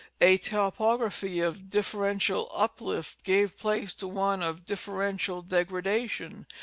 A topography of diiferential uplift gave place to one of differential degradation.